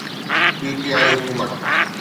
P T I حڪومت